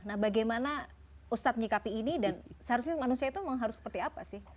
nah bagaimana ustadz menyikapi ini dan seharusnya manusia itu memang harus seperti apa sih